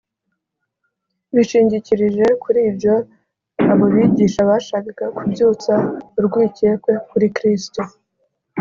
. Bishingikirije kuri ibyo, abo bigisha bashakaga kubyutsa urwikekwe kuri Kristo